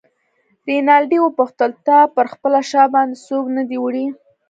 رینالډي وپوښتل: تا پر خپله شا باندې څوک نه دی وړی؟